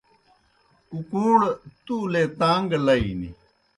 کُکُوݩڑ تُولے تاݩگ گہ لئی نیْ